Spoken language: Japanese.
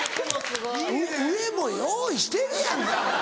上も用意してるやんか。